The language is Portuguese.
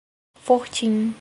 Fortim